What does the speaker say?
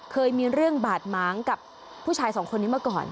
เคยมีเรื่องบาดม้างกับผู้ชายสองคนนี้มาก่อน